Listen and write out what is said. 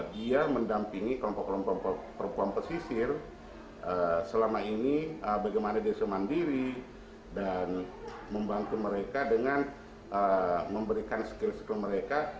dia mendampingi kelompok kelompok perempuan pesisir selama ini bagaimana dia semandiri dan membantu mereka dengan memberikan skill skill mereka